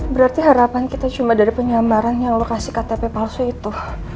berarti harapan kita cuma dari penyambaran yang lokasi ktp palsu itu